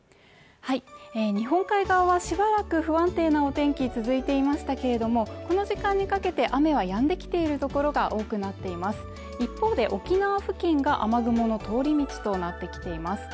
日本海側はしばらく不安定なお天気続いていましたけれどもこの時間にかけて雨はやんできているところが多くなっています一方で沖縄付近が雨雲の通り道となってきています